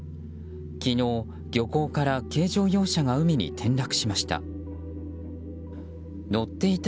昨日、漁港から軽乗用車が海に転落しました。